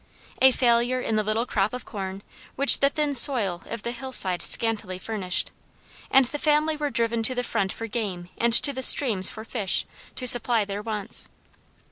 A failure in the little crop of corn, which the thin soil of the hillside scantily furnished, and the family were driven to the front for game and to the streams for fish, to supply their wants.